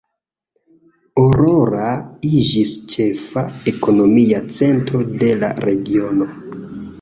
Aurora iĝis ĉefa ekonomia centro de la regiono.